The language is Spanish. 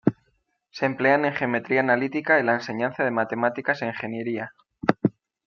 Se emplean en geometría analítica y la enseñanza de matemáticas e ingeniería.